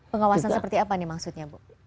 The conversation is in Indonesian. pengawasan seperti apa nih maksudnya bu